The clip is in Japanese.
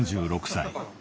３６歳。